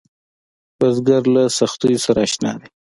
بزګر له سختیو سره اشنا دی